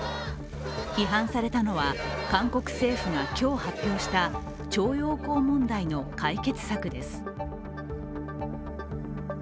批判されたのは韓国政府が今日発表した徴用工問題の解決策です。